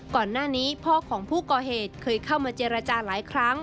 ก่อนหน้านี้พ่อของผู้ก่อเหตุเคยเข้ามาเจรจาหลายครั้ง